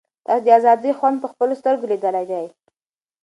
تاسو د آزادۍ خوند په خپلو سترګو لیدلی دی.